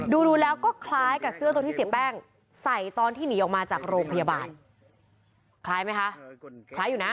ดูแล้วก็คล้ายกับเสื้อตัวที่เสียแป้งใส่ตอนที่หนีออกมาจากโรงพยาบาลคล้ายไหมคะคล้ายอยู่นะ